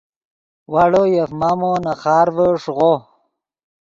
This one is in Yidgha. واڑو یف مامو نے خارڤے ݰیغو